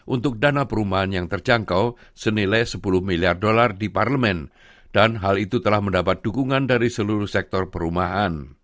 untuk dana perumahan yang terjangkau senilai sepuluh miliar dolar di parlemen dan hal itu telah mendapat dukungan dari seluruh sektor perumahan